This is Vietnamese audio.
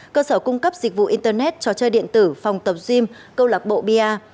cơ sở cung cấp dịch vụ internet trò chơi điện tử phòng tập gym câu lạc bộ bia